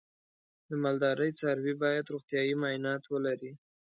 د مالدارۍ څاروی باید روغتیايي معاینات ولري.